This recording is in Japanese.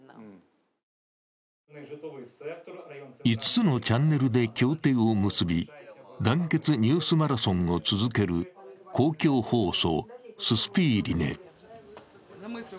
５つのチャンネルで協定を結び「団結ニュースマラソン」を続ける公共放送ススピーリネ。